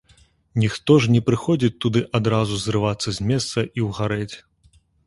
Ніхто ж не прыходзіць туды адразу зрывацца з месца і ўгарэць.